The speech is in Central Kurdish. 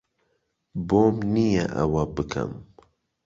بۆم نییە ئەوە بکەم.